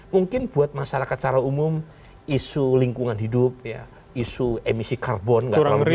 mungkin buat masyarakat secara umum isu lingkungan hidup isu emisi karbon gak terlalu besar